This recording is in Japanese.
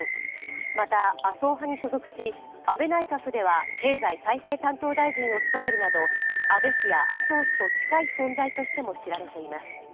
また、麻生派に所属し、安倍内閣では経済再生担当大臣を務めるなど安倍氏や麻生氏と近い存在としても知られています。